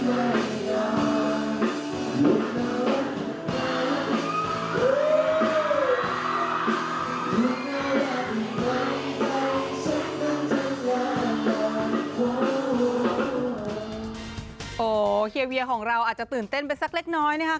โอ้โหเฮียเวียของเราอาจจะตื่นเต้นไปสักเล็กน้อยนะครับ